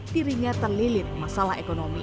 dirinya terlilit masalah ekonomi